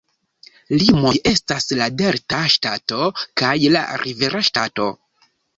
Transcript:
Limoj estas la Delta Ŝtato kaj la Rivera Ŝtato.